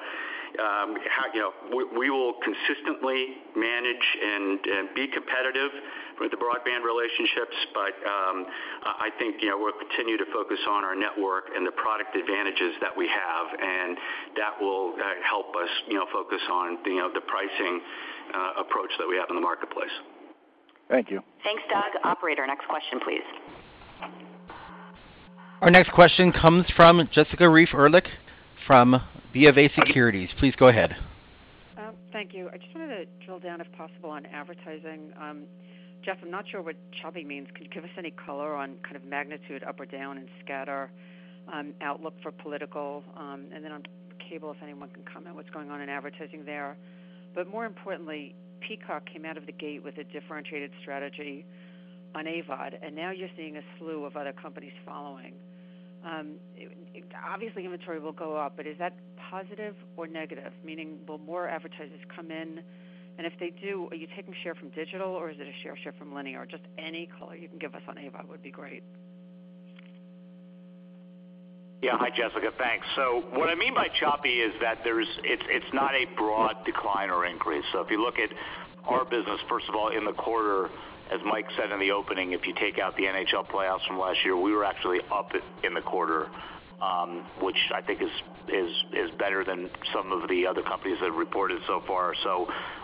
we will consistently manage and be competitive with the broadband relationships. I think, you know, we'll continue to focus on our network and the product advantages that we have, and that will help us, you know, focus on, you know, the pricing approach that we have in the marketplace. Thank you. Thanks, Doug. Operator, next question, please. Our next question comes from Jessica Reif Ehrlich from Bank of America Securities. Please go ahead. Thank you. I just wanted to drill down, if possible, on advertising. Jeff, I'm not sure what choppy means. Could you give us any color on kind of magnitude up or down in scatter, outlook for political? Then on cable, if anyone can comment what's going on in advertising there. More importantly, Peacock came out of the gate with a differentiated strategy on AVOD, and now you're seeing a slew of other companies following. Obviously, inventory will go up, but is that positive or negative? Meaning, will more advertisers come in? And if they do, are you taking share from digital, or is it a share from linear? Just any color you can give us on AVOD would be great. Yeah. Hi, Jessica. Thanks. What I mean by choppy is that there's, it's not a broad decline or increase. If you look at our business, first of all, in the quarter, as Mike said in the opening, if you take out the NHL playoffs from last year, we were actually up in the quarter, which I think is better than some of the other companies that reported so far.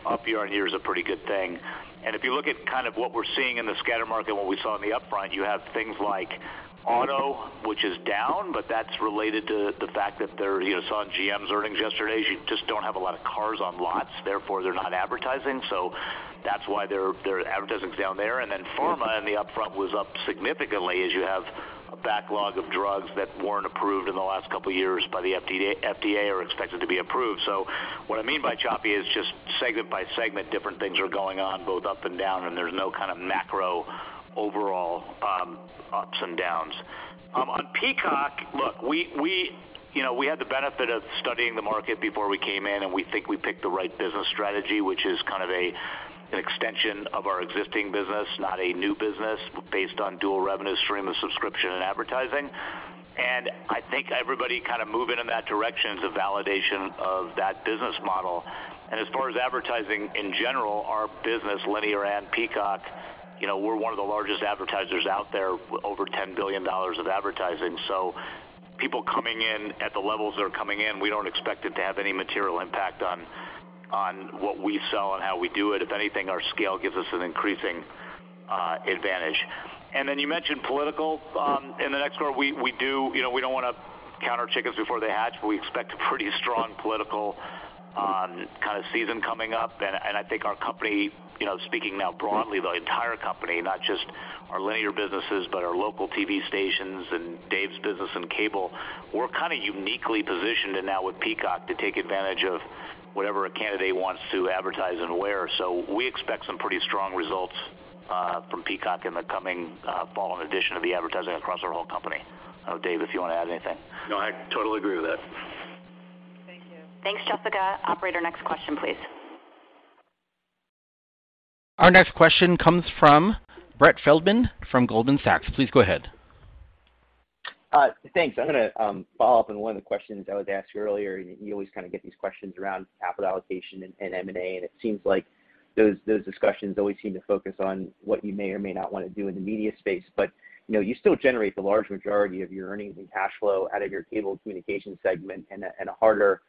Up year-over-year is a pretty good thing. If you look at kind of what we're seeing in the scatter market, what we saw in the upfront, you have things like auto, which is down, but that's related to the fact that they, you saw GM's earnings yesterday. You just don't have a lot of cars on lots, therefore they're not advertising. That's why their advertising is down there. Pharma in the upfront was up significantly as you have a backlog of drugs that weren't approved in the last couple of years by the FDA. FDA are expected to be approved. What I mean by choppy is just segment by segment, different things are going on both up and down, and there's no kind of macro overall, ups and downs. On Peacock, look, we, you know, we had the benefit of studying the market before we came in, and we think we picked the right business strategy, which is kind of an extension of our existing business, not a new business based on dual revenue stream of subscription and advertising. I think everybody kind of moving in that direction is a validation of that business model. As far as advertising in general, our business, linear and Peacock, you know, we're one of the largest advertisers out there with over $10 billion of advertising. People coming in at the levels that are coming in, we don't expect it to have any material impact on what we sell and how we do it. If anything, our scale gives us an increasing advantage. You mentioned political. In the next quarter, you know, we don't want to count our chickens before they hatch, but we expect a pretty strong political kind of season coming up. I think our company, you know, speaking now broadly, the entire company, not just our linear businesses, but our local TV stations and Dave's business and cable, we're kind of uniquely positioned and now with Peacock to take advantage of whatever a candidate wants to advertise and where. We expect some pretty strong results from Peacock in the coming fall, in addition to the advertising across our whole company. Dave, if you want to add anything. No, I totally agree with that. Thank you. Thanks, Jessica. Operator, next question, please. Our next question comes from Brett Feldman from Goldman Sachs. Please go ahead. Thanks. I'm gonna follow up on one of the questions that was asked earlier. You always kind of get these questions around capital allocation and M&A, and it seems like those discussions always seem to focus on what you may or may not want to do in the media space. You know, you still generate the large majority of your earnings and cash flow out of your cable communication segment, and a harder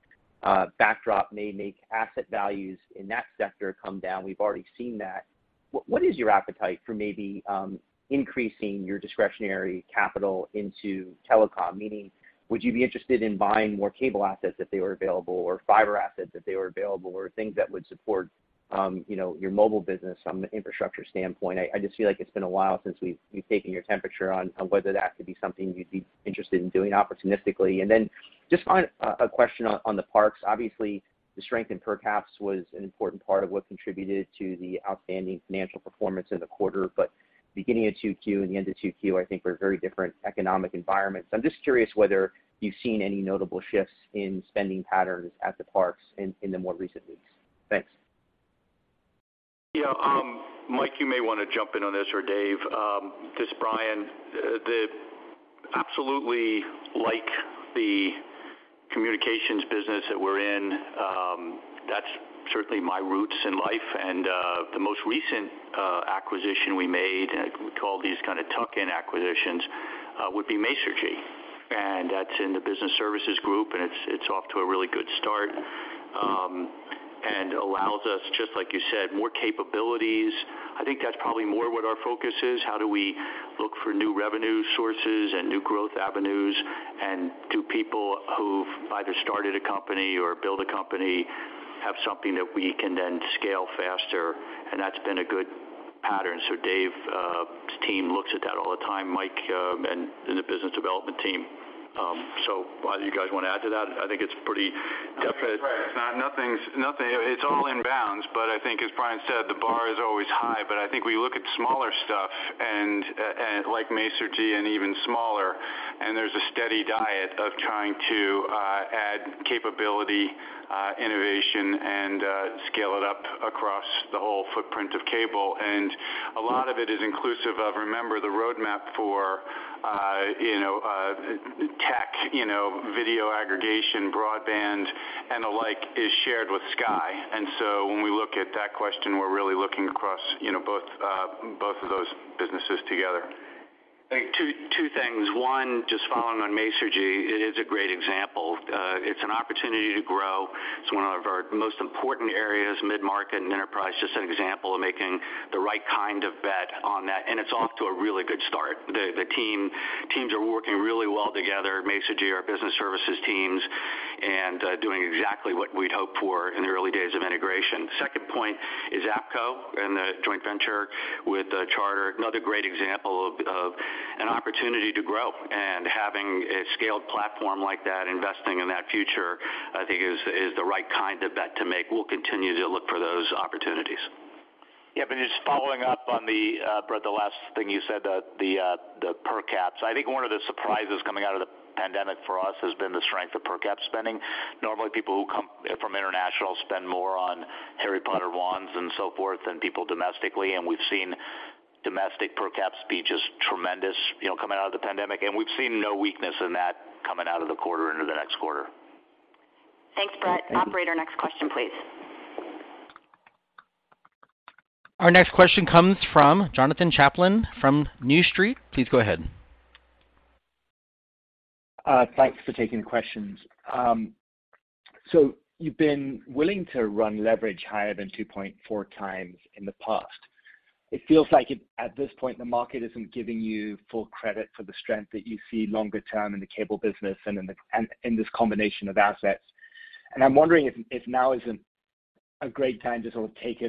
backdrop may make asset values in that sector come down. We've already seen that. What is your appetite for maybe increasing your discretionary capital into telecom? Meaning would you be interested in buying more cable assets if they were available, or fiber assets if they were available, or things that would support you know, your mobile business from an infrastructure standpoint? I just feel like it's been a while since we've taken your temperature on whether that could be something you'd be interested in doing opportunistically. Then just on a question on the parks. Obviously, the strength in per caps was an important part of what contributed to the outstanding financial performance of the quarter. Beginning of Q2 and the end of Q2, I think were very different economic environments. I'm just curious whether you've seen any notable shifts in spending patterns at the parks in the more recent weeks. Thanks. Yeah, Mike, you may want to jump in on this, or Dave. This is Brian. The absolutely like the communications business that we're in, that's certainly my roots in life. The most recent acquisition we made, we call these kind of tuck-in acquisitions, would be Masergy. That's in the business services group, and it's off to a really good start. Allows us, just like you said, more capabilities. I think that's probably more what our focus is. How do we look for new revenue sources and new growth avenues? Do people who've either started a company or built a company have something that we can then scale faster? That's been a good pattern. Dave, team looks at that all the time. Mike, in the business development team. Either of you guys want to add to that? I think it's pretty definite. It's all in bounds. I think as Brian said, the bar is always high. I think we look at smaller stuff and, like Masergy and even smaller, and there's a steady diet of trying to add capability, innovation and scale it up across the whole footprint of cable. A lot of it is inclusive of remember the roadmap for, you know, tech, you know, video aggregation, broadband and the like is shared with Sky. When we look at that question, we're really looking across, you know, both of those businesses together. I think two things. One, just following on Masergy, it is a great example. It's an opportunity to grow. It's one of our most important areas, mid-market and enterprise. Just an example of making the right kind of bet on that, and it's off to a really good start. The teams are working really well together, Masergy, our business services teams, and doing exactly what we'd hoped for in the early days of integration. Second point is Xumo and the joint venture with Charter. Another great example of an opportunity to grow. Having a scaled platform like that, investing in that future, I think is the right kind of bet to make. We'll continue to look for those opportunities. Yeah, just following up on Brett, the last thing you said, the per caps. I think one of the surprises coming out of the pandemic for us has been the strength of per cap spending. Normally people who come from international spend more on Harry Potter wands and so forth than people domestically. We've seen domestic per caps be just tremendous, you know, coming out of the pandemic, and we've seen no weakness in that coming out of the quarter into the next quarter. Thanks, Brett. Operator, next question, please. Our next question comes from Jonathan Chaplin from New Street. Please go ahead. Thanks for taking the questions. So you've been willing to run leverage higher than 2.4 times in the past. It feels like at this point, the market isn't giving you full credit for the strength that you see longer term in the cable business and in this combination of assets. I'm wondering if now isn't a great time to sort of take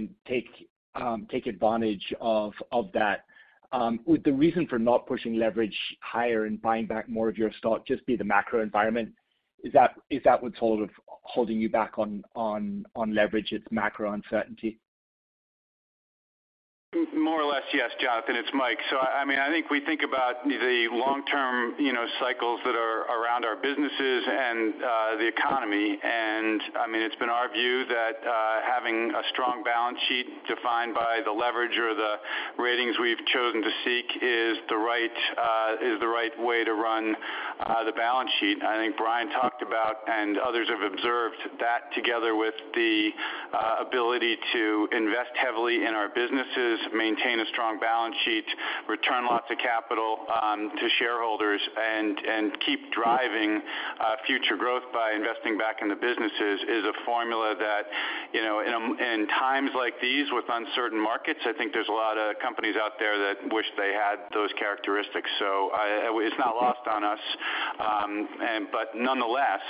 advantage of that. Would the reason for not pushing leverage higher and buying back more of your stock just be the macro environment? Is that what's holding you back on leverage? It's macro uncertainty. More or less, yes, Jonathan. It's Mike. I mean, I think we think about the long-term, you know, cycles that are around our businesses and the economy. I mean, it's been our view that having a strong balance sheet defined by the leverage or the ratings we've chosen to seek is the right way to run the balance sheet. I think Brian talked about and others have observed that together with the ability to invest heavily in our businesses, maintain a strong balance sheet, return lots of capital to shareholders and keep driving future growth by investing back in the businesses is a formula that, you know, in times like these with uncertain markets. I think there's a lot of companies out there that wish they had those characteristics. It's not lost on us. Nonetheless,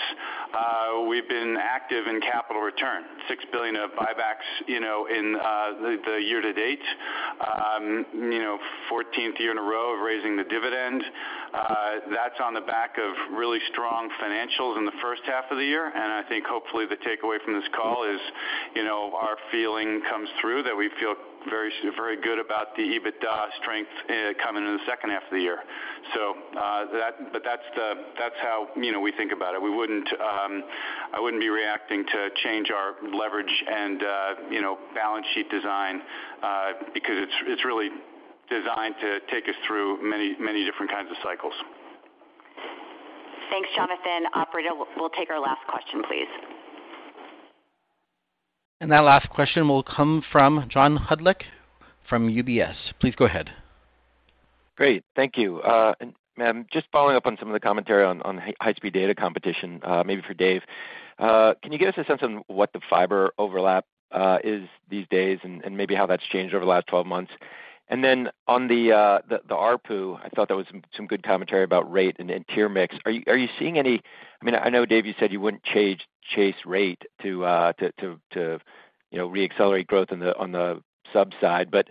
we've been active in capital return, $6 billion of buybacks, you know, in the year to date. You know, fourteenth year in a row of raising the dividend. That's on the back of really strong financials in the first half of the year. I think hopefully the takeaway from this call is, you know, our feeling comes through that we feel very, very good about the EBITDA strength coming in the second half of the year. That's how, you know, we think about it. I wouldn't be reacting to change our leverage and, you know, balance sheet design, because it's really designed to take us through many, many different kinds of cycles. Thanks, Jonathan. Operator, we'll take our last question, please. That last question will come from John Hodulik from UBS. Please go ahead. Great. Thank you. Ma'am, just following up on some of the commentary on high-speed data competition, maybe for Dave. Can you give us a sense on what the fiber overlap is these days and maybe how that's changed over the last 12 months? Then on the ARPU, I thought there was some good commentary about rate and then tier mix. Are you seeing any? I mean, I know, Dave, you said you wouldn't change churn rate to, you know, re-accelerate growth on the sub side, but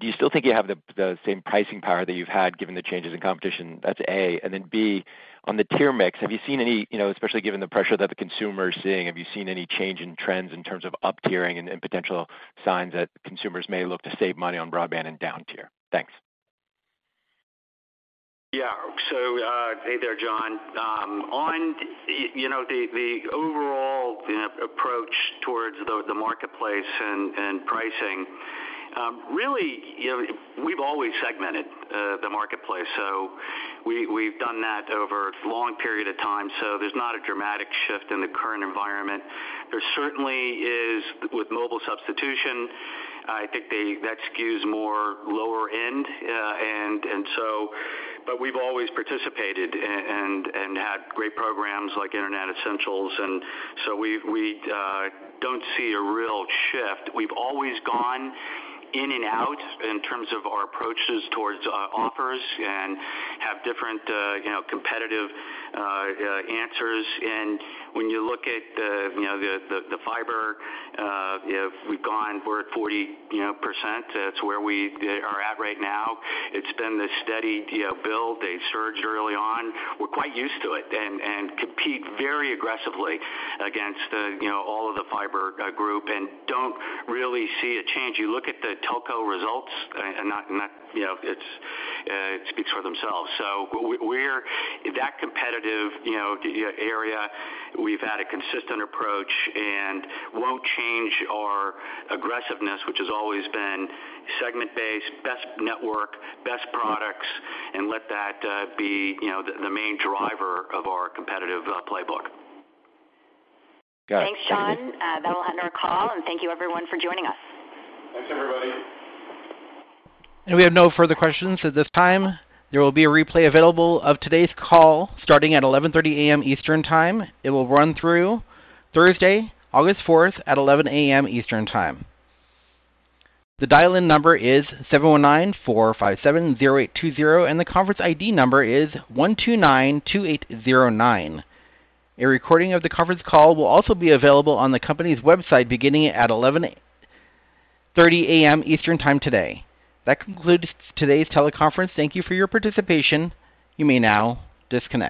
do you still think you have the same pricing power that you've had given the changes in competition? That's A. B, on the tier mix, have you seen any, you know, especially given the pressure that the consumer is seeing, have you seen any change in trends in terms of up-tiering and potential signs that consumers may look to save money on broadband and down-tier? Thanks. Yeah. Hey there, John. On, you know, the overall, you know, approach towards the marketplace and pricing, really, you know, we've always segmented the marketplace, so we've done that over a long period of time, so there's not a dramatic shift in the current environment. There certainly is with mobile substitution, I think that skews more lower end, and so. We've always participated and had great programs like Internet Essentials, and so we don't see a real shift. We've always gone in and out in terms of our approaches towards offers and have different, you know, competitive answers. When you look at the, you know, the fiber, you know, we're at 40%. That's where we are at right now. It's been this steady, you know, build. They surged early on. We're quite used to it and compete very aggressively against, you know, all of the fiber group and don't really see a change. You look at the telco results and not, you know, it speaks for themselves. We're that competitive, you know, area. We've had a consistent approach and won't change our aggressiveness, which has always been segment-based, best network, best products, and let that be, you know, the main driver of our competitive playbook. Got it. Thank you. Thanks, John. That will end our call, and thank you everyone for joining us. Thanks, everybody. We have no further questions at this time. There will be a replay available of today's call starting at 11:30 A.M. Eastern Time. It will run through Thursday, August 4th at 11:00 A.M. Eastern Time. The dial-in number is 719-457-0820, and the conference ID number is 129-2809. A recording of the conference call will also be available on the company's website beginning at 11:30 A.M. Eastern Time today. That concludes today's teleconference. Thank you for your participation. You may now disconnect.